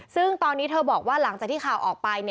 ซึ่งตอนนี้เธอบอกว่าหลังจากที่ข่าวออกไป